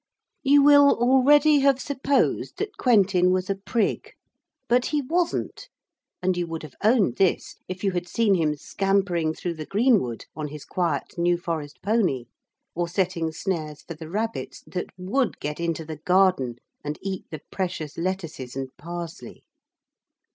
You will already have supposed that Quentin was a prig. But he wasn't, and you would have owned this if you had seen him scampering through the greenwood on his quiet New Forest pony, or setting snares for the rabbits that would get into the garden and eat the precious lettuces and parsley.